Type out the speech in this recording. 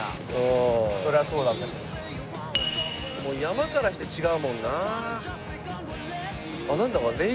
もう山からして違うもんな。